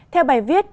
theo bài viết